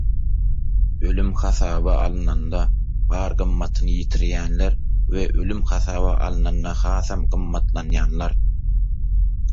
ölüm hasaba alnanda bar gymmatyny ýitirýänler we ölüm hasaba alnanda hasam gymmatlanýanlar.